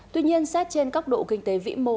tuy nhiên xét trên cấp độ kinh tế vĩ mô